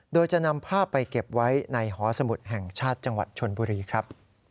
โดยจะนำภาพไปเก็บไว้ในหอสมุทรแห่งชาติจังหวัดชนบุรีครับ